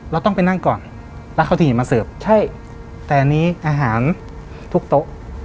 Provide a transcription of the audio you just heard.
เราต้องไปนั่งก่อนแล้วเขาถึงมาเสิร์ฟใช่แต่อันนี้อาหารทุกโต๊ะ